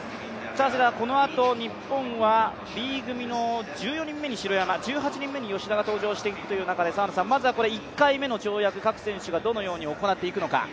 このあと日本はＢ組の１４人目に城山１８人目に吉田が登場してくるという中で１回目の跳躍、各選手がどうやって行っていくのか。